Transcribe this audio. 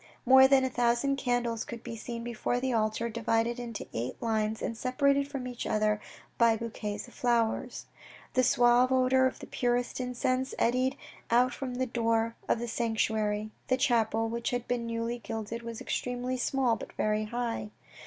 More than a thousand candles could be seen before the altar, divided into eight lines and separated from each other by bouquets of flowers. The suave odour of the purest incense eddied out from the door of the sanctuary. The chapel, which had been newly gilded, was extremely small but very high.